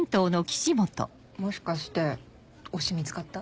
もしかして推し見つかった？